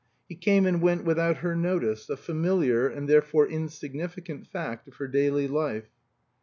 He came and went without her notice, a familiar, and therefore insignificant, fact of her daily life.